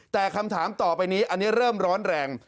แต่คำถามต่อไปนี้อันนี้เริ่มร้อนแรง